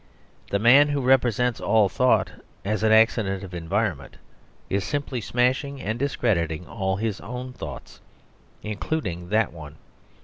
The man who represents all thought as an accident of environment is simply smashing and discrediting all his own thoughts including that one.